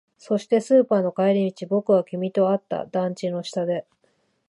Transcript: そして、スーパーの帰り道、僕は君と会った。団地の下で。